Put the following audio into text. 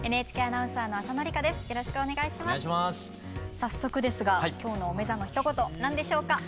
早速ですが今日の「おめざ」のひと言何でしょうか？